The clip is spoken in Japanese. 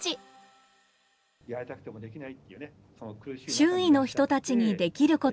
周囲の人たちにできることがある。